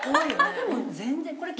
でも全然。